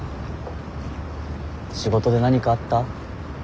仕事で何かあった？